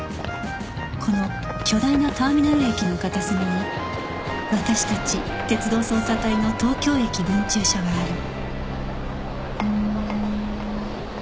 この巨大なターミナル駅の片隅に私たち鉄道捜査隊の東京駅分駐所がある